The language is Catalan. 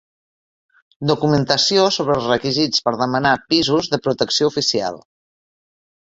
Documentació sobre els requisits per demanar pisos de protecció oficial.